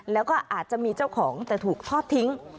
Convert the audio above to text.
แล้วก็อาจจะมีเจ้าของแต่ถูกทอดทิ้ง